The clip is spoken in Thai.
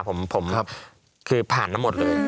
ผมคือผ่านทั้งหมดเลย